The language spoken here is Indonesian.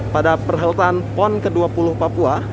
pada perhelatan pon ke dua puluh papua